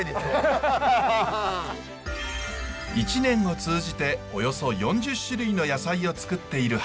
一年を通じておよそ４０種類の野菜をつくっている畑。